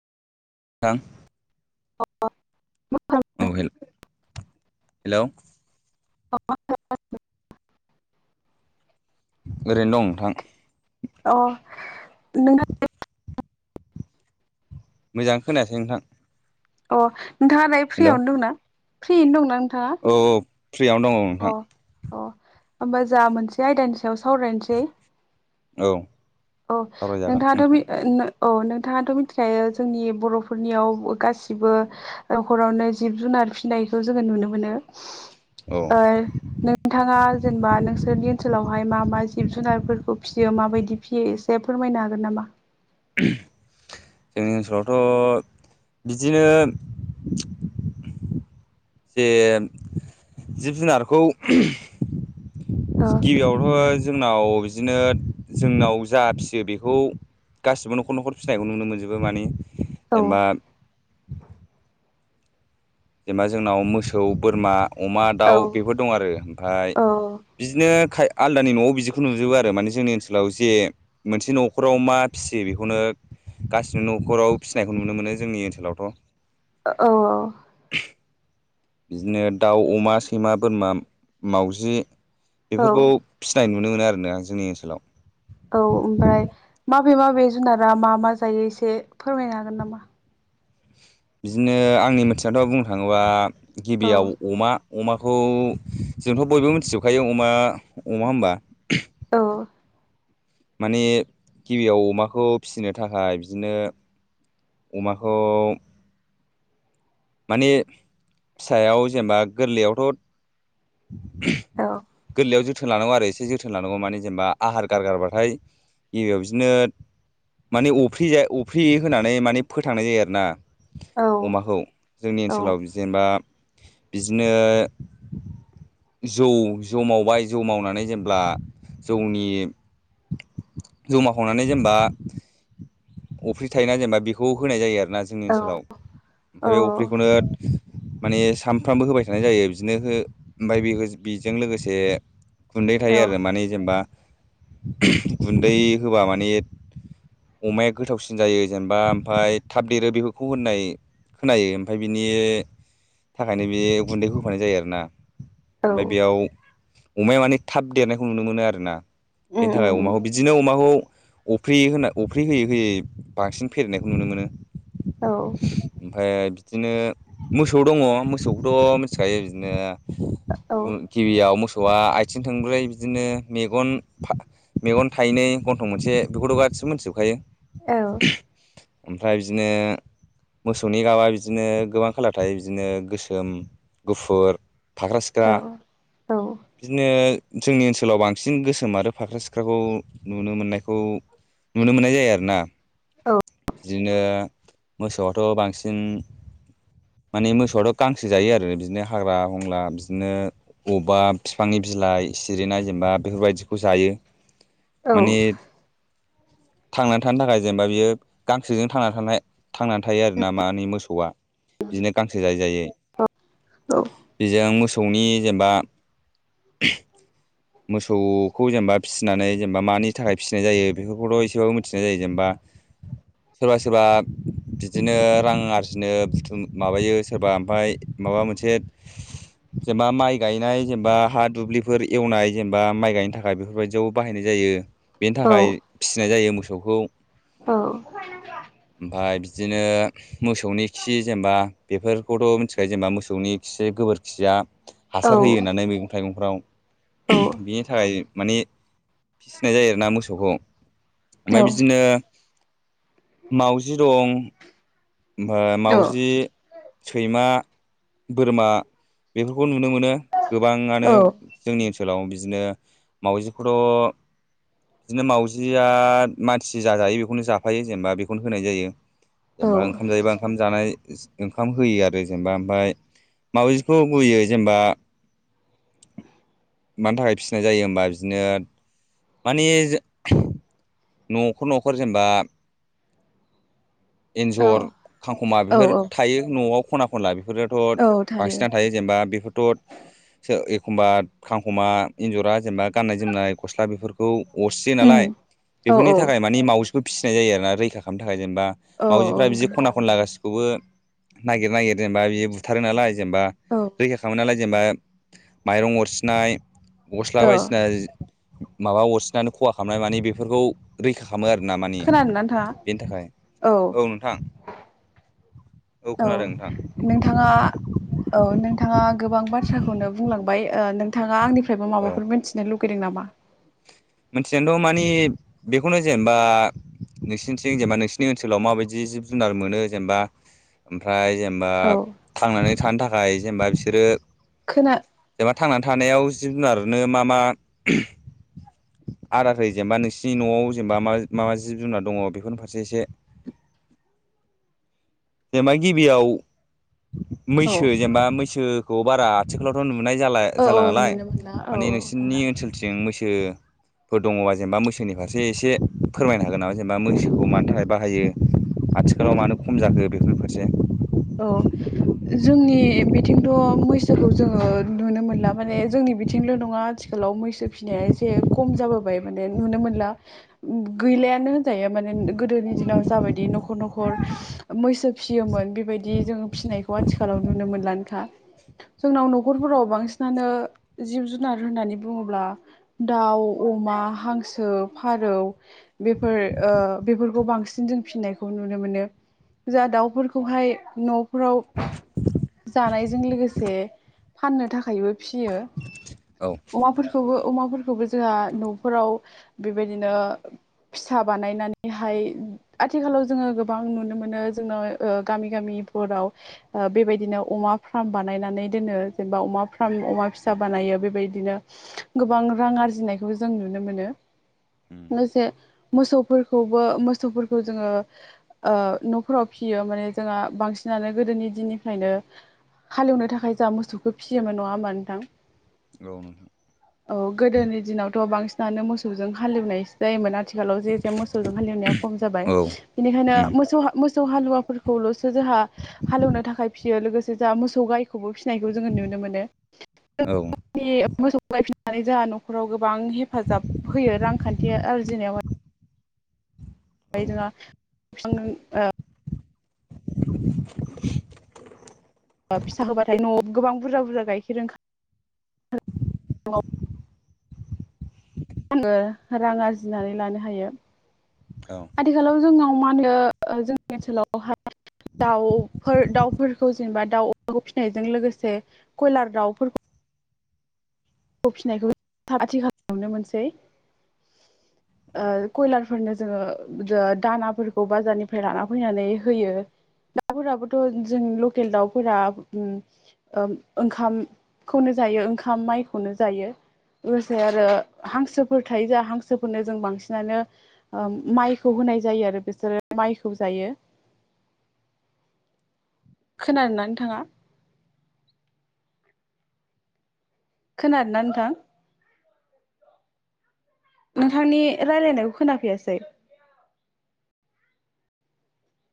थां ओ hello hello. अ [unintelligible] ओरैनो दं नोंथां। नोंहा [unintelligible] मोजां खोनायासै नोंथां। अ नोंथाङा दायो फ्रियावनो दंना फ्रियैनो दंना नोंथां? औऔ फ्रियावनो दङ नोंथां। अ होमबा जा मोनसे आयदानि सायाव सावरायनोसै। औ औ सावरायजागोन नोंथाङाथ' नोंथां बे ओ औ नोंथाङाथ' मिथिखायो जोंनि बर'फोरनियाव गासिबो नखरावनो जिब जुनार फिनायखौ जोङो नुनो मोनो। औ ओ नोंथाङा जेनेबा नोंसोरनि ओनसोलावहाय मा मा जिब जुनारफोरखौ फिसियो माबायदि फिसियो एसे फोरमायनो हागोन नामा? [unintelligible] जोंनि ओनसोलावथ' बिदिनो जे जिब जुनारखौ औ गिबियावथ' जोंनाव बिदिनो जोंनाव जा फिसियो बेखौ गासिबो न'खर न'खर फिसिनायखौ नुनो मोनजोबो मानि औ जेनेबा जेनेबा जोंनाव मोसौ बोरमा अमा औ दाउ बेफोर दं आरो ओमफ्राय औ बिदिनो खाय आलदानि न'आव बिदिखौ नुजोबो आरो माने जोंनि ओनसोलाव जे मोनसे न'खराव मा फिसियो बेखौनो गासिबो न'खराव फिसिनायखौ नुनो मोनो। जोंनि ओनसोलावथ'। औ औ। बिदिनो दाउ, अमा, सैमा, बोरमा, मावाउजि, बेफोरखौ औ फिसिनाय नुनो मोनो। आरो ना? जोंनि ओनसोलाव। अबे माबे जुनारा मा मा जायो एसे फोरमायनो हागोन नामा? बिदिनो आंनि मिथिनायाथ' बुंनो थाङोबा। औ गिबियाव अमा। अमाखौ जोंथ' बयबो मिथिजोबखायो अमा-अमा होनबा? औ। माने गिबियाव अमाखौ फिसिनो थाखाय बिदिनो अमाखौ माने फिसायाव जेनेबा गोरलैयावथ' औ गोरलैयाव ज जोथोन लानांगौ आरो एसे। जोथोन लानांगौ। माने जेनेबा आहार गारगारबाथाय गिबियाव बिदिनो माने अफ्रिज अफ्रि होनानै माने फोथांनाय जायो। आरो ना? औ अमाखौ जोंनि ओनसोलाव जेनेबा बिदिनोनो जौ-जौ मावबाय जौ मावनानै जेब्लाजौनि [unintelligible] जमााखावनानै जेनेबा अफ्रि थायोना जेनेबा बेखौ होनाय जायो। आरो आरोना जोंनि ओनसोलाव औ ओमफ्राय बे अफ्रिखौनो माने सामफ्रामबो होबाय थानाय जायो। बिदिनो ओमफ्राय बे बेजों लोगोसे गुन्दै औ थायो आरो माने जेनेबा गुन्दै होबा माने अमाया गोथावसिन जायो। जेनेबा ओमफ्राय थाब देरो बेफोरखौ होननाय खोनायो। ओमाय बिनि थाखायनो बे गुन्दैखौ होफानाय जायो। आरोना? औ ओमफ्राय बेयाव अमाया माने थाब देरनायखौ नुनो मोनो। आरो ना? उम बेनि उम थाखाय अमाखौ बिदिनो अमाखौ अफ्रिे होना। अफ्रिे होयै-होयै बांसिन फेदेरनायखौ नुनो मोनो। औ। ओमफ्राय बिदिनो मोसौ दङ। मोसौखौथ' मिथिखायो? बिदिनो औ गिबियाव मोसौआ आथिं थंब्रै, बिदिनो मेगन, मेगन थाइनै, गन्थं मोनसे बेखौथ' गासिबो मोनथिजोबखायो? औ। ओमफ्राय बिदिनो मोसौनि गाबआ बिदि बिदिनो गोबां खालाार थायो बिदिनो गोसोम, गुफुर, फाख्रा-सिख्रा। औ औ औ बिदिनो जोंनि ओनसोलाव बांसिन गोसोम आरो फाख्रा सिख्राखौ नुनो मोननायखौ नुनो मोननाय जायो। आरो ना? औ। बिदिनो मोसौआथ' बांसिन माने मोसौआथ' गांसो जायो आरो बिदिनो हाग्रा-हंगला, बिदिनो अबा बिफांनि बिलाइ सिरिना जेनेबा बेफोरबायदिखौ जायो। औ माने थांनानै थानो थाखाय जेनेबा बियो गांसोजों थां थानाय थांनानै थायो। आरो ना? मो हौवा। बिदिनो गांसो जायै जायै। जों मोसौखौ मोसौनि जेनेबा मोसौसौखौ जेनेबा फिसिनानै जेनेबा मानि थाखाय फिसिनाय जायो बेफोरखौथ' एसेबाबो मिथिनाय जायो। जेनेबा सोरबा-सोरबा बिदिनो रां आरजिनो बुथुम माबायो। सोरबा ओमफ्राय माबा मोनसे जेनेबा माइ गायनाय जेनेबा हा दुब्लिफोर एवनाय जेनेबा माइ गायनो थाखाय बेफोरबायदियाव बाहायनाय जायो। बेनि थाखाय फिसिनाय जायो। मोसौखौ औ। ओमफ्राय बिदिनो मोसौनि खि। जेनेबा बेफोरखौथ' मिथिखायो? जेनेबा मोसौनि खि गोबोरखिया हासार होयो होननानै मैगं थाइगंफ्राव बिनि थाखाय माने। फिसिनाय जायो आरोना मोसौखौ ओमफ्राय बिदिनो। मावजि दं ओमफ्राय मावाजि। सैमा बोरमा बेफोरखौ नुनो मोनो। गोबाङानो जोंनि ओनसोलाव बिदिनो मावजिखौथ'। बिदिनो मावउजिया मानसि जाजायो बेखौनो जाफायो जेनेबा बेखौनो होनाय जायो। जेनेबा ओंखाम जायोबा ओंखाम जानाय। ओंखाम होयो आरो जेनेबा ओमफ्राय मावाजिखौ गयो जेनेबा। [inaudible] मानि थाखाय फिसिनाय जायो होमबा बिदिनो माने। नखर नखर जेनेबा। एन्जर खांखमा बेफोर थायो नआव खना खनलाफोर। बेफोरथ' बांसिनानो थायो जेनेबा बेफोरथ'। एखमबा खांखमा एन्जरा जेनेबा गाननाय जोमनाय गस्ला बेफोरखौ अरसियो नालाय। उम औ बेफोरनि थाखाय मानिे मावजिखौ फिसिनाय जायो आर ना रैखा खालामनो थाखाय जेनेबा औ मावजिफ्रा बिदि खना खनला। बे खौबो नागिर नागिर जेनेबा बिदि बुथारो नालाय जेनेबा औ रैखा खालामो नालाय जेनेबा। माइरं अरसिनाय गस्ला औ बायदिसिना। माबा अरसिननानै खहा खालामनाय माने बेफोरखौ रैखा। खामो आरोना मानि खोनादोंना नोंथाङा? बेनि थाखाय औ नोंथां। औ खोनादों नोंथां नोंथाङा औ नोंथाङा। गोबां बाथ्राखौनो बुंलांबाय नोंथाङा आंनिफ्रायबो औ माबाफोर मिथिनो लगैदों नामा। मिथियाथ मानि बेखौनो जेनेबा। नोंसोरनिथिं जेनेबा नोंसोरनि ओनसोलाव माबायदि जिब जुनार मोनो जेनेबा ओमफ्राय जेनबा। औ जेनबा थांनानै थानो थाखाय जेनबा बिसोरो खोना जेनबा। थानायाव जिब जुनारनो मा मा। आदार‌ होयो जेनेबा नोंसिनि न'आव जेनेबा मा मा जिब जुनार दङ बेफोरनि फारसे एसे। [inaudible] जेमा गिबियाव। औ मैसो जेनेबा मैसोखौ बारा आथिखालावथ नुनो। नुनाय जाला औ औ जाला नालाय नुनो मोनला औ माने औ नोंसोरनि नुला ओनसोलथिं मैसो। फोर दङबा जेनेबा मोसोनि फारसे एसे फोरमायनो हागोन नामा जेनेबा मैसोखौ मानि थाखाय बाहायो। आथिखालाव मानो खम जाखो बेफोरफोरसे। औ। जोंनि बिथिंथ मैसोखौ जोंङो नुनो मोनला माने जोंनि बिथिंल नङां। ओनसोलाव मैसो फिनाया एसे खम जाबोबाय माने नुनो मोनला गैलायानो होनजायो माने। गोदोनि दिनाव जाबायदि नखर नखर मैसो फिसियोमोन बेबायदि। बिदि जोंङो फिनायखौ आथिखालाव नुनो मोनलानोखा। जोंनाव नखरफोराव बांसिनानो जिब जुनार होननानै बुंङोब्ला। दाउ अमा हांसो फारौ बेफोर बेफोरखौ बांसिन। जों फिसिनायखौ नुनो मोनो जा दाउफोरखौहाय नफ्राव। जानायजों लोगोसे फाननो थाखायबो फियो। औ अमाफोरखौबो अमाफोरखौबो जोंहा न'फोराव बेबायदिनो। फिसा बानायनानैहाय। आथिखालाव जोंङो गोबां नुनो मोनो जोंनाव गामि गामि। फोराव बेबायदिनो अमा फार्म बानायनानै दोनो जेनेबा अमा फार्म अमा फिसा बानायो। बेबायदिनो गोबां रां आरजिनायखौ जों नुनो मोनो। लोगोसे मोसौफोरखौबो मोसौफोरखौ जोङो नफोराव फियो। मानै जोंहा बांसिन। फिसिनानै गोदोनि दिननिफ्रायनो हालेवनो थाखाय जा मोसौखौ फिसियोमोन नंङा होमबा नोंथां। गावनो। औ गोदोनि दिनावथ बांसिनानो मोसौजों हालेवनायो जायोमोन आथिखालाव जे जाया मोसौजों हालेवनाया खम जाबाय बेनिखायनो मोसौ मोसौ हालुवाफोरखौलसो जोंहा हालौवनो थाखाय फिसियो लोगोसे जोहा मोसौ गायखौबो फिसिनायखौ जोंङो नुनो मोनो। औ जोंनि मोसौ गाय फिनानै जोंहा नखराव गोबां हेफाजाब होयो रांखान्थि आरजिनायावहाय। ओमफ्राय औ जोंहा फिसा होबाथाय नआव गोबां बुरजा बुरजा गाइखेर ओं आंङो रां आरजिनानै लानो हायो। औ आथिखालाव जोंनाव मा होनो जोंनि ओनसोलावहाय दाउफोर दाउफोरखौ जेनेबा दाउ अमाखौ फिसिनायजों लोगोसे कयलार दाउफोरखौ फिसिनायखौ आथिखालाव नुनो मोनसै औ । कयलारफोरनो जोङो दानाफोरखौ बाजारनिफ्राय लाना फैनानै होयो। दाउफोराबोथ' जों लकेल दाउफोरा ओ-ओंखामखौनो जायो ओंखाम माइखौनो जायो। लोगोसे आरो हांसोफोर थायो जोहा हांसोफोरनो जों बांसिनानो ओ माइखौ होन नाय जायो आरो बिसोरो माइखौ जायो। खोनादोंना नोंथाङा? खोनादो ना नोंथां? नोंथांनि रायलायनायखौ खोनाफैयासै।